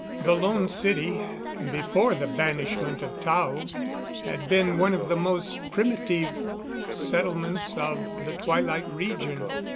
The Lone City, before the banishment of Tao, had been one of the most primitive settlements of the Twilight region.